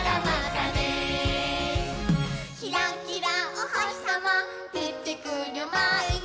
「キラキラおほしさまでてくるまえに」